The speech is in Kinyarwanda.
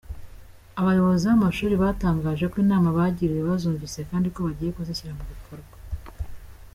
Abayobozi b’amashuri batangaje ko inama bagiriwe bazumvise kandi ko bagiye kuzishyira mu bikorwa.